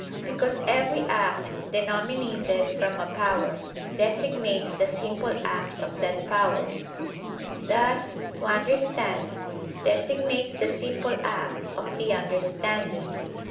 Because every act denominated from a power, designates the simple act of that power: thus "to understand" designates the simple act of the understanding.